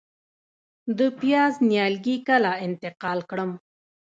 د پیاز نیالګي کله انتقال کړم؟